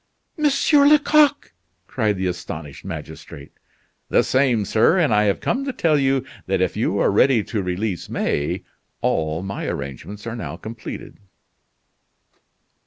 "Monsieur Lecoq!" cried the astonished magistrate. "The same, sir; and I have come to tell you that if you are ready to release May, all my arrangements are now completed."